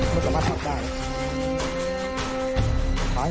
มันสามารถพักได้